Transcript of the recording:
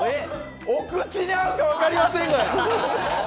お口に合うか分かりませんが。